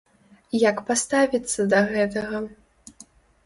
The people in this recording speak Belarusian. Як паставіцца да гэтага?